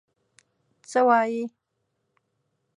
څه وايې؟